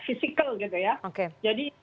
fisikal gitu ya jadi